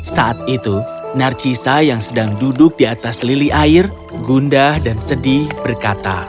saat itu narcisa yang sedang duduk di atas lili air gundah dan sedih berkata